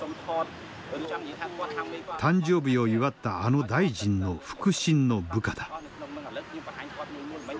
誕生日を祝ったあの大臣の腹心の部下だ。